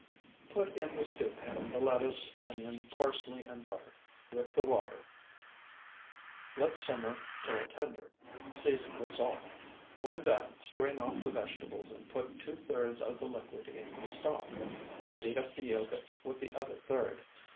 Put in the stew pan the lettuce, onion, parsley, and butter, with the water; let simmer till tender; season with salt; when done strain off the vegetables and put two thirds of the liquid in the stock. Beat up the yolk with the other third.